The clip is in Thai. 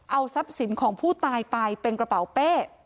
เอาทรัพย์สินของผู้ตายไปเป็นกระเป๋าเป้